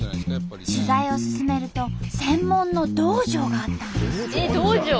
取材を進めると専門の道場があったんです。